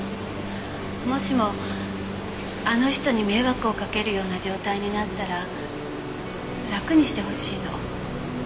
もしもあの人に迷惑をかけるような状態になったら楽にしてほしいの。